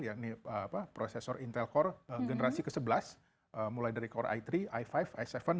yang ini prosesor intel core generasi ke sebelas mulai dari core i tiga i lima i tujuh dan i tujuh